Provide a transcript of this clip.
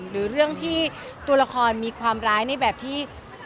หรือเรื่องที่ตัวละครมีความร้ายในแบบที่